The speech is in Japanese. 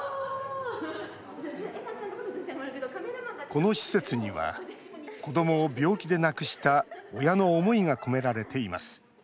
この施設には子どもを病気で亡くした親の思いが込められています。